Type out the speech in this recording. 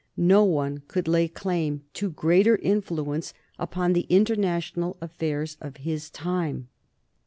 No one could lay claim to greater influence upon the international affairs of his time.